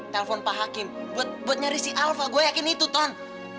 telpon pak hakim buat nyari si alpha gue yakin itu ton